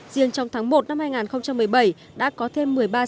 riêng trong tháng một năm hai nghìn một mươi bảy đã có thêm một mươi ba